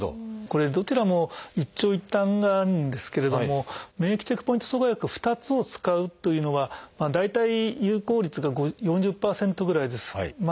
これどちらも一長一短があるんですけれども免疫チェックポイント阻害薬２つを使うというのは大体有効率が４０％ぐらいです。